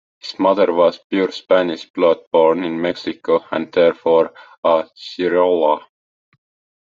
His mother was of pure Spanish blood born in Mexico, and therefore, a criolla.